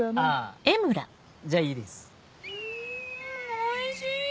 おいしい。